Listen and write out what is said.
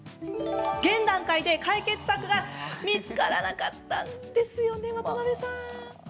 現段階で解決策が見つからなかったんですよね渡邊さん。